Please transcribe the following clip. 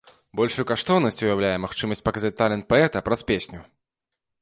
Большую каштоўнасць уяўляе магчымасць паказаць талент паэта праз песню.